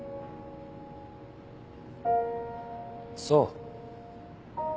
そう。